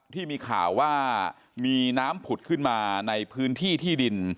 ที่มีข่าวว่ามีน้ำผุดขึ้นมาในพื้นที่ที่ดิน